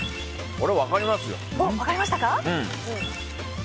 これ分かりますよ。